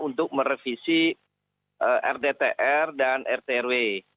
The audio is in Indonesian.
untuk merevisi rdtr dan rt rw